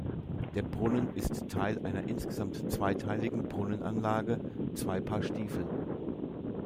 Der Brunnen ist Teil einer insgesamt zweiteiligen Brunnenanlage „Zwei Paar Stiefel“.